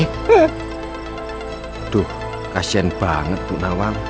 aduh kasian banget bu nawang